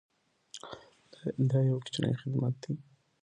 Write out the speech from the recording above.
دا یو کوچنی خدمت دی.